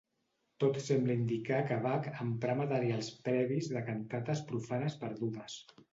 Tot sembla indicar que Bach emprà materials previs de cantates profanes perdudes.